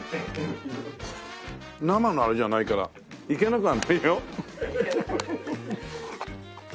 生のあれじゃないからいけなくはないよ。